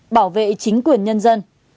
bảo vệ chính quyền nhân dân